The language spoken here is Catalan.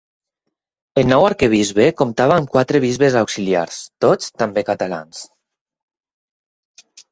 El nou arquebisbe comptava amb quatre bisbes auxiliars, tots també catalans.